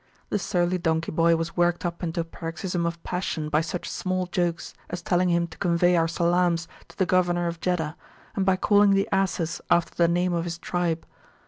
The surly donkey boy was worked up into a paroxysm of passion by such small jokes as telling him to convey our salams to the Governor of Jeddah, and by calling the asses after the name of his tribe.